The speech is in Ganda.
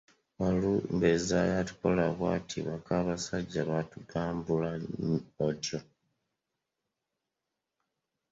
Walumbe zzaaya atukola bw’ati, bak’abasajja b’otugumbula otyo